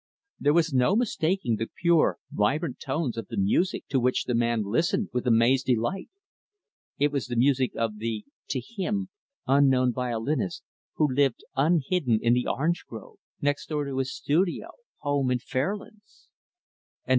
There was no mistaking the pure, vibrant tones of the music to which the man listened with amazed delight. It was the music of the, to him, unknown violinist who lived hidden in the orange grove next door to his studio home in Fairlands.